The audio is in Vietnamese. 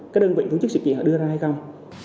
các đơn vị tổ chức sự kiện họ đưa ra hay không